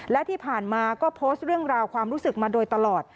และที่ผ่านมาก็โพสต์เรื่องราวความรู้สึกมาโดยตลอด